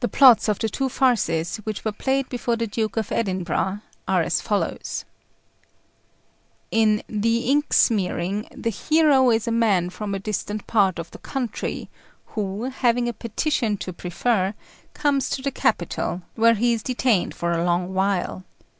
The plots of the two farces which were played before the Duke of Edinburgh are as follows: In the Ink Smearing the hero is a man from a distant part of the country, who, having a petition to prefer, comes to the capital, where he is detained for a long while.